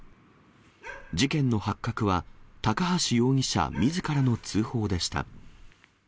事件の発覚は、高橋容疑者みずからの通報でした。